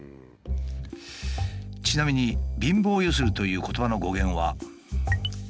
ちなみに「貧乏ゆすり」という言葉の語源は。